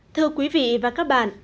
thưa quý vị và các bạn